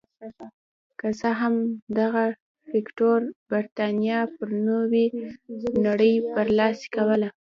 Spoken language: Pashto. که څه هم دغه فکټور برېتانیا پر نورې نړۍ برلاسې کوله.